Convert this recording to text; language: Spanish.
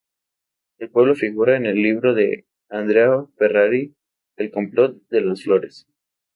El pueblo figura en el libro de Andrea Ferrari ""el complot de Las Flores"".